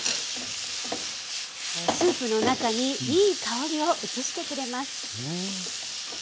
スープの中にいい香りを移してくれます。